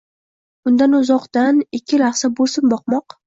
unga uzoqdan, ikki lahza bo'lsin boqmoq